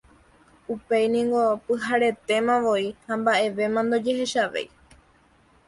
Upéingo pyharetémavoi ha mba'evéma ndojehechavéi.